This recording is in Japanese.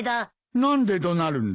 何で怒鳴るんだ？